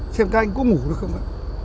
xem các anh có ngủ được không ạ